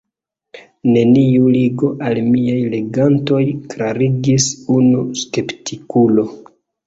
Neniu ligo al miaj legantoj, klarigis unu skeptikulo.